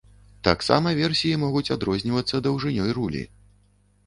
Таксама версіі могуць адрознівацца даўжынёй рулі.